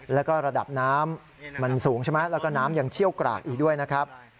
แล้วก็ระดับน้ำมันสูงใช่ไหมแล้วก็น้ำยังเชี่ยวกรากอีกด้วยนะครับ